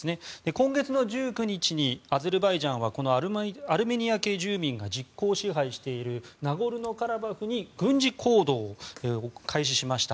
今月１９日にアゼルバイジャンはこのアルメニア系住民が実効支配しているナゴルノカラバフに軍事行動を開始しました。